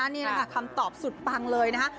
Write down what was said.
นี่คำตอบสุดปังเลยนะฮะ